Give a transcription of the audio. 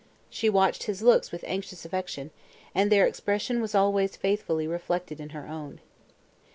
She watched his looks with anxious affection, and their expression was always faithfully reflected in her own.